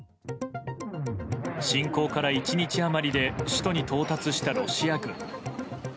侵攻から１日余りで首都に到達したロシア軍。